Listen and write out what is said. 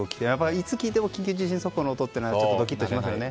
いつ聞いても緊急地震速報の音はドキッとしますよね。